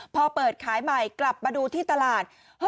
พอเปิดขายใหม่กลับมาดูที่ตลาด